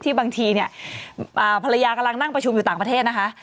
บางทีเนี่ยภรรยากำลังนั่งประชุมอยู่ต่างประเทศนะคะ